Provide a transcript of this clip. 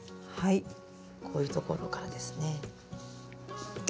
こういうところからですね。